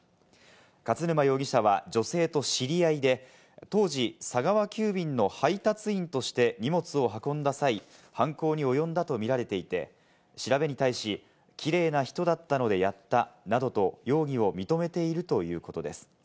勝沼容疑者は女性と知り合いで、当時、佐川急便の配達員として荷物を運んだ際、犯行に及んだとみられていて、調べに対し、キレイな人だったのでやったなどと容疑を認めているということです。